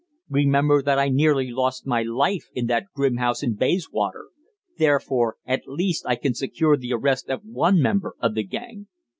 Remember that I nearly lost my life in that grim house in Bayswater. Therefore at least I can secure the arrest of one member of the gang."